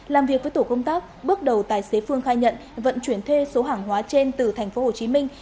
làm việc với tổ công tác bước đầu tài xế phương khai nhận vận chuyển thuê số hàng hóa trên từ thành phố hồ chí minh